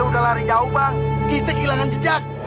dia udah lari jauh bang